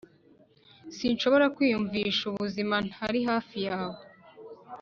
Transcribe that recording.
sinshobora kwiyumvisha ubuzima ntari hafi yawe,